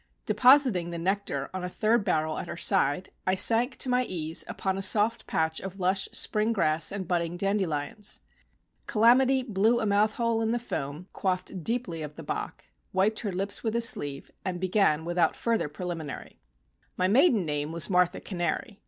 Depositing the nectar on a third barrel at her side, I sank to my ease upon a soft patch of lush spring grass and budding dandelions. "Calamity" blew a mouth hole in the foam, quaffed deeply of the Bock; wiped her lips with a sleeve, and began without further preliminary: "My maiden name was Martha Cannary.